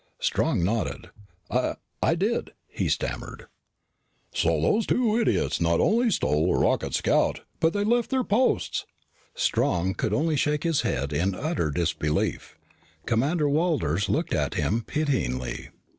Strong nodded. "I I did," he stammered. "So those two idiots not only stole a rocket scout, but they left their posts." Strong could only shake his head in utter disbelief. Commander Walters looked at him pityingly.